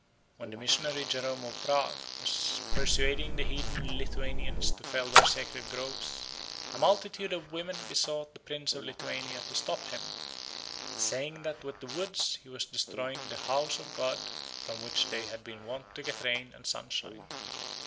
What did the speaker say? When the missionary Jerome of Prague was persuading the heathen Lithuanians to fell their sacred groves, a multitude of women besought the Prince of Lithuania to stop him, saying that with the woods he was destroying the house of god from which they had been wont to get rain and sunshine.